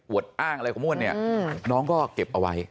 อ้างอะไรของม่วนเนี่ยน้องก็เก็บเอาไว้